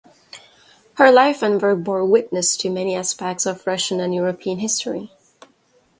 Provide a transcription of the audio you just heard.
Her life and work bore witness to many aspects of Russian and European history.